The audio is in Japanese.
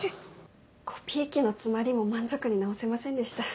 コピー機の詰まりも満足に直せませんでし